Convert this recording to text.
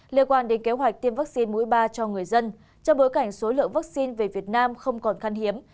liên quan đến kế hoạch tiêm vaccine mũi ba cho người dân trong bối cảnh số lượng vaccine về việt nam không còn khăn hiếm